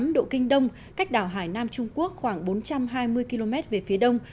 một trăm một mươi bốn tám độ kinh đông cách đảo hải nam trung quốc khoảng bốn trăm hai mươi km về phía đông